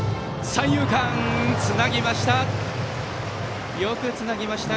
三遊間つなぎました！